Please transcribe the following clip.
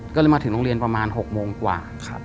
ก็เลยมาถึงโรงเรียนประมาณ๖โมงกว่า